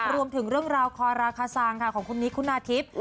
รวมถึงเรื่องราวคอราคาซางค่ะของคุณนิกคุณาทิพย์